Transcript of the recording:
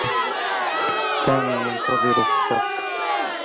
سامي ينتظر في الصّف.